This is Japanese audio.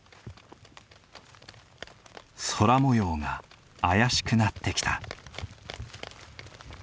空もようが怪しくなってきた。